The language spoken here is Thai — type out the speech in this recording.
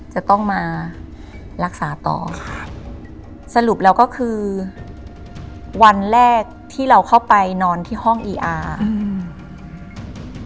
จะต้องมารักษาต่อค่ะสรุปแล้วก็คือวันแรกที่เราเข้าไปนอนที่ห้องอีอาร์อืม